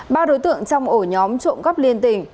ba đối tượng trong ổ nhóm trộm cắp liên tỉnh